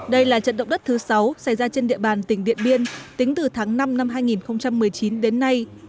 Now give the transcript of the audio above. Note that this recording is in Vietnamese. đây là trận động đất thứ sáu xảy ra trên địa bàn tỉnh điện biên tính từ tháng năm năm hai nghìn một mươi chín đến nay